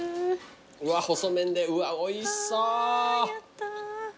うわっ細麺でおいしそう。